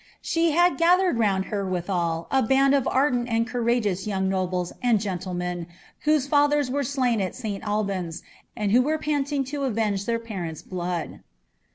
She had gathered round her, withal, a bs^nd of ardent and courageous young nobles and gentle men, whose &thers were slain at St Albans, and who were panting to avenge their parents^ blood.